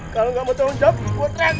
kalo gak mau tanggung jawab gue track nih